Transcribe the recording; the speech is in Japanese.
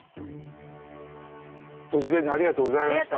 突然にありがとうございました。